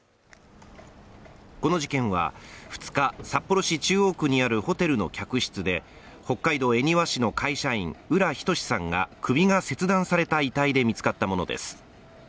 この事件は２日札幌市中央区にあるホテルの客室で、北海道恵庭市の会社員浦仁志さんが首が切断された遺体で見つかったものです。